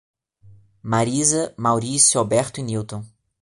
Marisa, Maurício, Alberto e Nilton